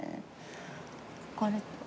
これ。